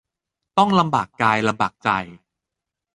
ต้องลำบากกายลำบากใจ